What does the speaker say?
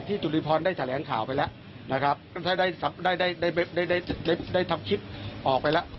ที่จุฬีพรได้แถลงข่าวไปแล้วนะครับค่ะใดใดใดในใดในใดทำคลิปออกไปล่ะ